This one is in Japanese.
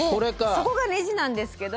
そこがネジなんですけど。